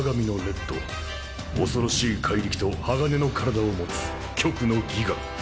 恐ろしい怪力と鋼の体を持つ巨躯のギガン。